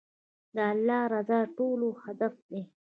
د الله رضا د ټولو هدف دی.